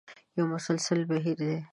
یو مسلسل بهیر دی.